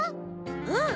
うん。